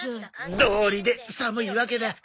どうりで寒いわけだ。